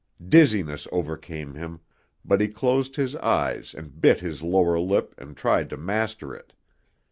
Dizziness overcame him, but he closed his eyes and bit his lower lip and tried to master it.